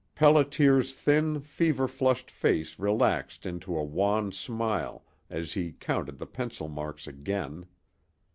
Pelliter's thin, fever flushed face relaxed into a wan smile as he counted the pencil marks again.